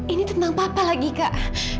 ini tentang papa lagi kak